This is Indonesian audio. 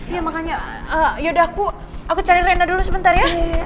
iya makanya yaudah aku cari reina dulu sebentar ya